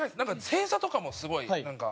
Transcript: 正座とかもすごいなんか。